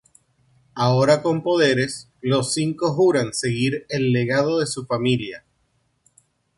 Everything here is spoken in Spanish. Ahora con poderes, los cinco juran seguir el legado de su familia.